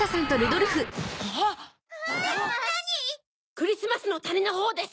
クリスマスのたにのほうです！